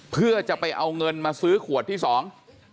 เพื่อจะไปเอาเงินมาซื้อขวดที่สอง